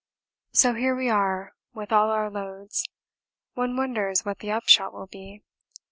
So here we are with all our loads. One wonders what the upshot will be.